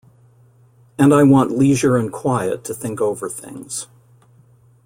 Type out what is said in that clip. And I want leisure and quiet to think over things.